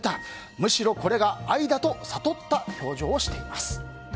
むしろ、これが愛だと悟った表情をしています。